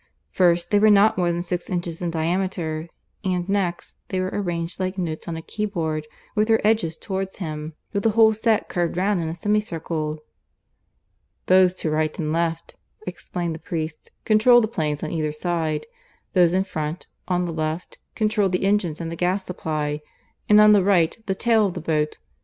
First, they were not more than six inches in diameter; and next, they were arranged, like notes on a keyboard, with their edges towards him, with the whole set curved round him in a semicircle. "Those to right and left," explained the priest, "control the planes on either side; those in front, on the left, control the engines and the gas supply; and on the right, the tail of the boat.